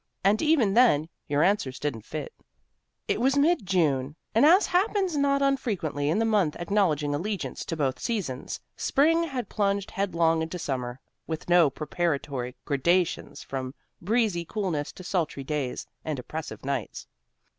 and, even then, your answers didn't fit." It was mid June, and as happens not unfrequently in the month acknowledging allegiance to both seasons, spring had plunged headlong into summer, with no preparatory gradations from breezy coolness to sultry days and oppressive nights.